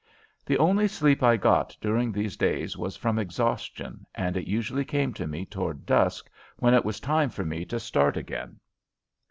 The only sleep I got during those days was from exhaustion, and it usually came to me toward dusk when it was time for me to start again.